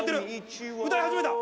歌い始めた。